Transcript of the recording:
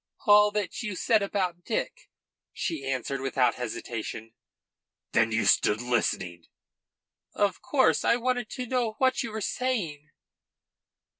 "All that you said about Dick," she answered without hesitation. "Then you stood listening?" "Of course. I wanted to know what you were saying."